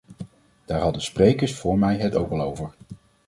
Daar hadden sprekers voor mij het ook al over.